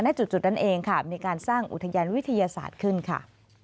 จุดนั้นเองค่ะมีการสร้างอุทยานวิทยาศาสตร์ขึ้นค่ะ